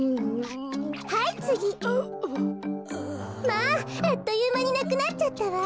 まああっというまになくなっちゃったわ。